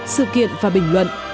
sự kiện và bình luận